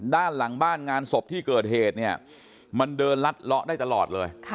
ด้านหลังบ้านงานศพที่เกิดเหตุเนี่ยมันเดินลัดเลาะได้ตลอดเลย